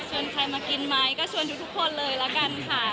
ใครมากินไหมก็ชวนทุกคนเลยละกันค่ะ